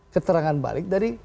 keterangan balik dari